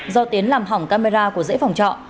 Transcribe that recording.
do tiến làm hỏng camera của dãy phòng trọ